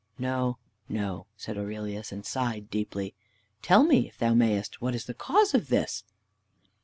"No, no," said Aurelius, and sighed deeply. "Tell me, if thou mayest, what is the cause of this?"